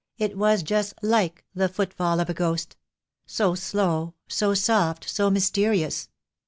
It was just like the footfall of a ghost — so slow, so soft, so mysterious.